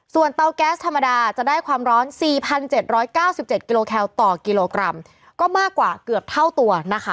ส่วนเตาแก๊สธรรมดาจะได้ความร้อน๔๗๙๗กิโลแคลต่อกิโลกรัมก็มากกว่าเกือบเท่าตัวนะคะ